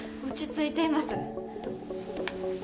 落ち着いています。